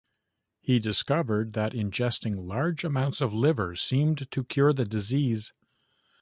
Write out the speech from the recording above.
He discovered that ingesting large amounts of liver seemed to cure the disease.